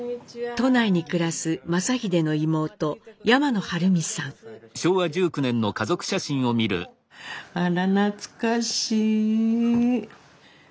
都内に暮らす正英の妹あら懐かしい。